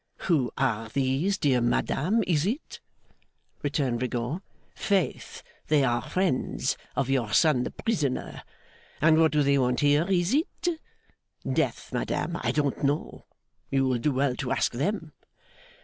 'Who are these, dear madame, is it?' returned Rigaud. 'Faith, they are friends of your son the prisoner. And what do they want here, is it? Death, madame, I don't know. You will do well to ask them.